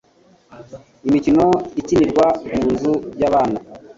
Imikino ikinirwa mu nzu yabana.